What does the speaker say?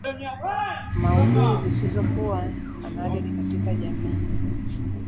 maudhui zisizokuwa na maadili katika jamii